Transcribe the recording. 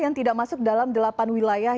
yang tidak masuk dalam delapan wilayah